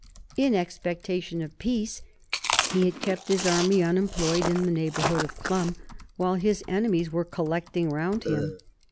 In expecta tion of peace, he had kept his army unemployed in the neighbourhood of Chlum, while his enemies were collect ing round him.